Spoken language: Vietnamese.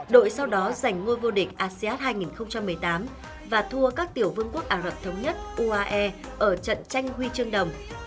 đội sau đó giành ngôi vô địch asean hai nghìn một mươi tám và thua các tiểu vương quốc ả rập thống nhất uae ở trận tranh huy chương đồng